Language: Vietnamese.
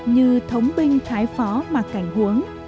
như thống binh thái phó mạc cảnh huống